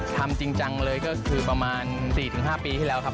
สั่งเลยก็คือประมาณ๔๕ปีที่แล้วครับ